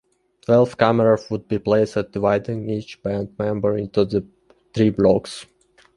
Twelve cameras would be placed, "dividing" each band member into three blocks.